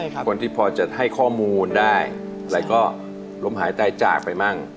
คนที่พอจะให้ข้อมูลได้แล้วก็ล้มหายตายจากไปมั่ง